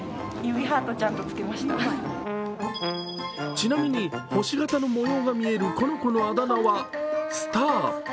ちなみに、星形の模様が見えるこの子のあだ名はスター。